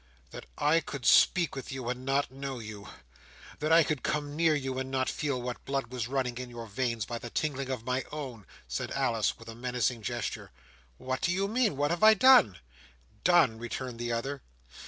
"That I could speak with you, and not know you! That I could come near you, and not feel what blood was running in your veins, by the tingling of my own!" said Alice, with a menacing gesture. "What do you mean? What have I done?" "Done!" returned the other.